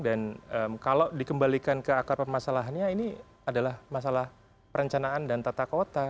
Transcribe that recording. dan kalau dikembalikan ke akar pemasalahannya ini adalah masalah perencanaan dan tata kota